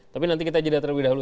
tapi nanti kita jeda terlebih dahulu